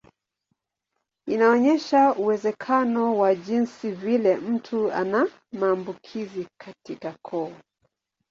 Inaonyesha uwezekano wa jinsi vile mtu ana maambukizi katika koo.